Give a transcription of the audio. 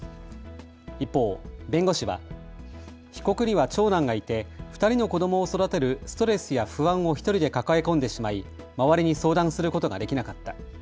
一方、弁護士は被告には長男がいて２人の子どもを育てるストレスや不安を１人で抱え込んでしまい周りに相談することができなかった。